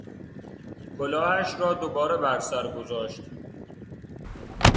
کلاهش را دوباره بر سر گذاشت.